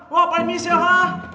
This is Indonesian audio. wah apaan misi ya ha